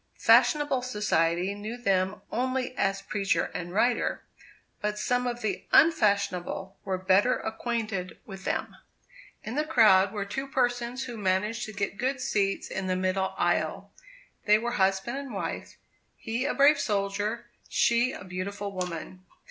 Fashionable society knew them only as preacher and writer; but some of the unfashionable were better acquainted with them. In the crowd were two persons who managed to get good seats in the middle aisle. They were husband and wife; he a brave soldier, she a beautiful woman.